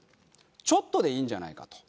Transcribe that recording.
ちょっとでいいんじゃないかと。